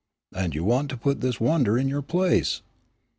"And you want to put this wonder in your place?"